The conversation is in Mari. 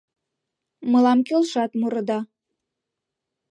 — Мылам келшат мурыда.